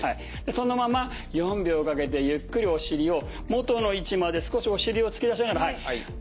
そのまま４秒かけてゆっくりお尻を元の位置まで少しお尻を突き出しながら。